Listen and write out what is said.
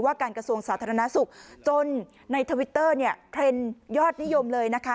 การกระทรวงสาธารณสุขจนในทวิตเตอร์เนี่ยเทรนด์ยอดนิยมเลยนะคะ